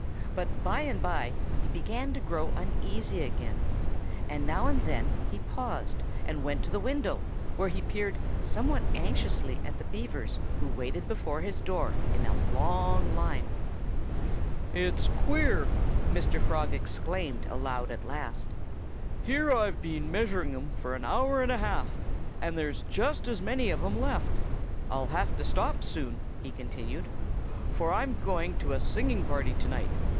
But by and by he began to grow uneasy again. And now and then he paused and went to the window, where he peered somewhat anxiously at the Beavers who waited before his door in a long line. "It's queer!" Mr. Frog exclaimed aloud at last. "Here I've been measuring 'em for an hour and a half; and there's just as many of 'em left. ... I'll have to stop soon," he continued, "for I'm going to a singing party to night.